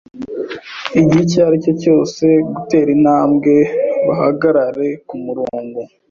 igihe icyo ari cyo cyose bashobore gutera intambwe bahagarare ku murongo